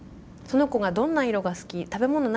その子がどんな色が好き食べ物